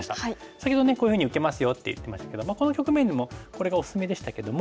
先ほどねこういうふうに受けますよって言ってましたけどもこの局面にもこれがおすすめでしたけども。